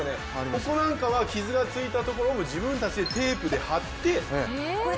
ここなんかは傷がついたところを、自分たちでテープで貼って。